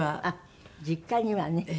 あっ実家にはね。